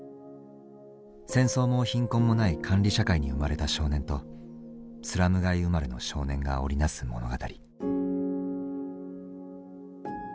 戦争も貧困もない管理社会に生まれた少年とスラム街生まれの少年が織り成す物語。